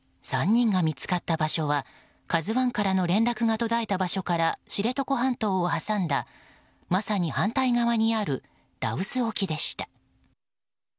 ３人が見つかった場所は「ＫＡＺＵ１」からの連絡が途絶えた場所から知床半島を挟んだまさに反対側にある羅臼沖でした。